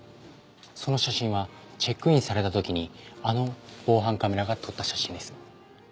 その写真はチェックインされた時にあの防犯カメラが撮った写真です。